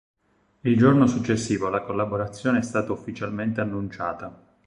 Il giorno successivo la collaborazione è stata ufficialmente annunciata.